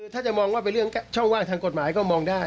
ถ้าจะมองว่าเป็นเรื่องช่องว่างทางกฎหมายก็มองได้